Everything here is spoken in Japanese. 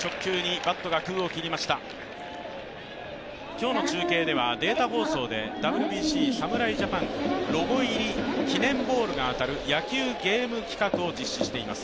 今日の中継ではデータ放送でＷＢＣ侍ジャパンロゴ入り記念ボールが当たる野球ゲーム企画を実施しています。